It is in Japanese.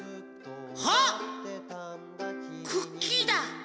あっクッキーだ。